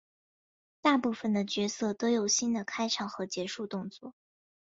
大部分的角色都有新的开场和结束动作。